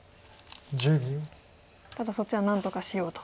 ただそっちは何とかしようと。